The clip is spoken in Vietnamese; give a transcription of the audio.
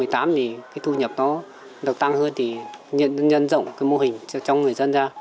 hai nghìn một mươi tám thì cái thu nhập nó được tăng hơn thì nhân dân rộng cái mô hình cho trong người dân ra